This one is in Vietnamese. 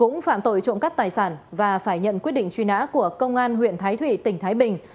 cũng phạm tội trộm cắp tài sản và phải nhận quyết định truy nã của công an huyện thái thụy tỉnh thái bình